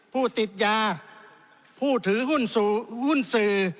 ผู้ติดยาผู้ถือหุ้นสื่อ